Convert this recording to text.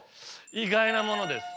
意外なものです。